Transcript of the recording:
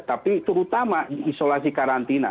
tapi terutama isolasi karantina